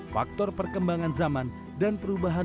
faktor perkembangan zaman dan perubahan